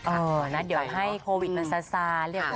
เอ่อนัดเดี๋ยวให้โควิดมาซาซาค่ะ